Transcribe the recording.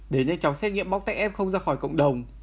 để nhanh chóng xét nghiệm bóc tách em không ra khỏi cộng đồng